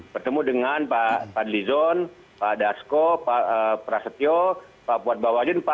pertemu dengan pak adlizon pak dasko pak prasetyo pak buat bawajin